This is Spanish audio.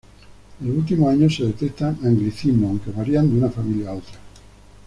En los últimos años, se detectan anglicismos, aunque varían de una familia a otra.